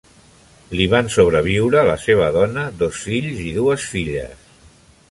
Li van sobreviure la seva dona, dos fills i dues filles.